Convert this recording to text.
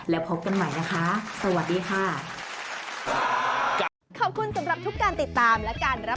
แล้วพบกันใหม่นะคะ